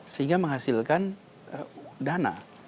sehingga menghasilkan dana